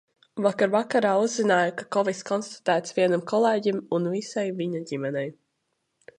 Vakar vakarā uzzināju, ka kovids konstatēts vienam kolēģim un visai viņa ģimenei.